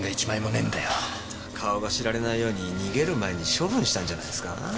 顔が知られないように逃げる前に処分したんじゃないすか？